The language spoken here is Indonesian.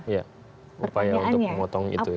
ya upaya untuk mengotong itu ya